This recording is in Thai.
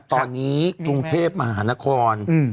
ตอนนี้กรุงเทพมหานคร